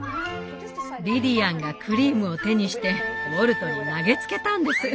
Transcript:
リリアンがクリームを手にしてウォルトに投げつけたんです。